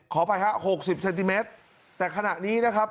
ขออภัยฮะหกสิบเซนติเมตรแต่ขณะนี้นะครับ